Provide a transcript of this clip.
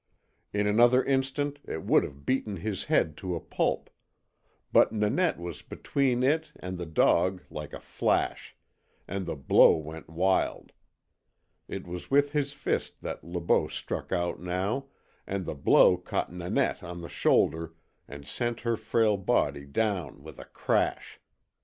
In another instant it would have beaten his head to a pulp but Nanette was between it and the dog like a flash, and the blow went wild. It was with his fist that Le Beau struck out now, and the blow caught Nanette on the shoulder and sent her frail body down with a crash.